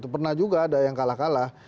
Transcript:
pernah juga ada yang kalah kalah